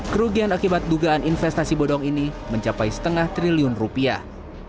kerugian akibat dugaan investasi bodong ini mencapai setengah triliun rupiah